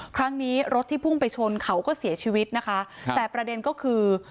ครั้งนี้รถที่พุ่งไปชนเขาก็เสียชีวิตนะคะแต่ประเด็นก็คือ